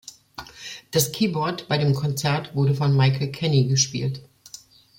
Das Keyboard bei dem Konzert wurde von Michael Kenney gespielt.